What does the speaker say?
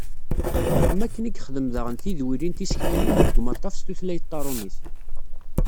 Am wakken i yexdem daɣen tidwilin tiseklanin deg umaṭṭaf s tutlayt tarumit.